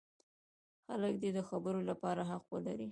خلک دې د خبرو لپاره حق ولري.